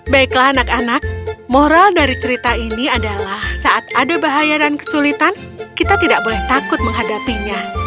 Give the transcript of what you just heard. baiklah anak anak moral dari cerita ini adalah saat ada bahaya dan kesulitan kita tidak boleh takut menghadapinya